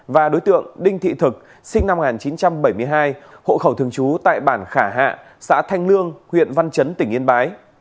và đối tượng đinh thị thực sinh năm một nghìn chín trăm bảy mươi hai hộ khẩu thường trú tại bản khả hạ xã thanh lương huyện văn chấn tỉnh yên bái